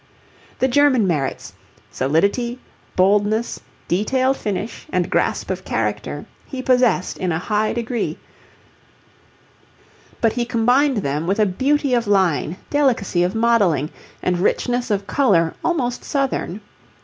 The German merits, solidity, boldness, detailed finish, and grasp of character, he possessed in a high degree, but he combined with them a beauty of line, delicacy of modelling, and richness of colour almost southern.